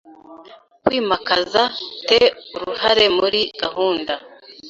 kwimakaza te uruhare muri gahunda